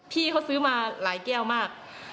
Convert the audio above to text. ที่เขาซื้อมาหลายแก้วมาก